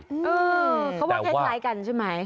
พ่อไคร๊จะล้ายกันใช่ไหม